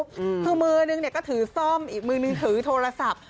คือมือนึงก็ถือซ่อมอีกมือนึงถือโทรศัพท์